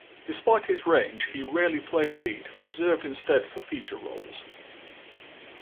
Despite his range, he rarely played lead, reserved instead for feature roles.